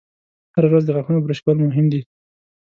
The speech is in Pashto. هره ورځ د غاښونو برش کول مهم دي.